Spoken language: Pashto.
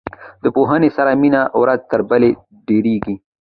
د پوهنې سره مینه ورځ تر بلې ډیریږي.